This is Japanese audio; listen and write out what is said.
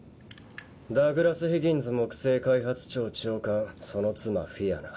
ダグラス・ヒギンズ木星開発庁長官その妻フィアナ。